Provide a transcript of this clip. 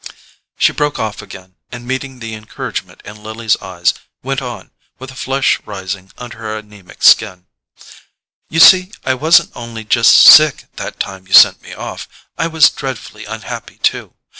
She broke off again, and meeting the encouragement in Lily's eyes, went on, with a flush rising under her anaemic skin: "You see I wasn't only just SICK that time you sent me off—I was dreadfully unhappy too.